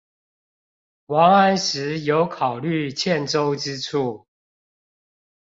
王安石有考慮欠周之處